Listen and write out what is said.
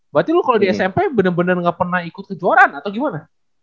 berarti lu kalo di smp bener bener gak pernah ikut kejuaraan atau gimana